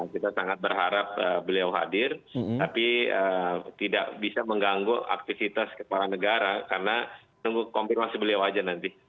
kita sangat berharap beliau hadir tapi tidak bisa mengganggu aktivitas kepala negara karena nunggu konfirmasi beliau aja nanti